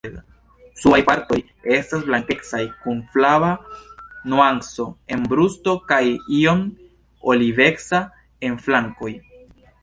Subaj partoj estas blankecaj kun flava nuanco en brusto kaj iom oliveca en flankoj.